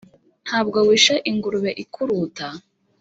Nta bwo wishe ingurube ikuruta?